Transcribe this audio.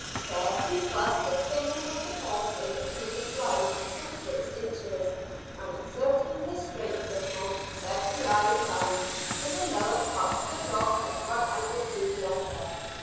There he thrust the thin end of the peg in between the sides some six inches, and exerting his strength a little, bent the iron round till the lower part stood off at right angles to the upper.